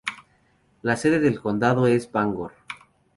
La sede del condado es Bangor.